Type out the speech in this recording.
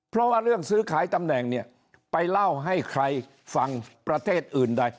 เพราะว่าเรื่องซื้อขายตำแหน่งเนี่ยไปเล่าให้ใครฟังประเทศอื่นใด